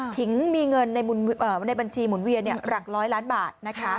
ถึงมีเงินในบัญชีหมุนเวียนหลัก๑๐๐ล้านบาทนะคะ